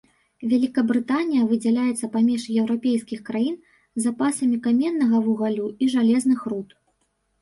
Вялікабрытанія выдзяляецца паміж еўрапейскіх краін запасамі каменнага вугалю і жалезных руд.